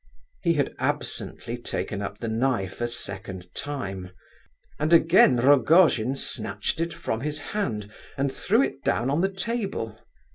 He had absently taken up the knife a second time, and again Rogojin snatched it from his hand, and threw it down on the table.